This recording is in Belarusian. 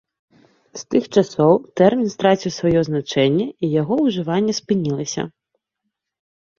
З тых часоў тэрмін страціў сваё значэнне і яго ўжыванне спынілася.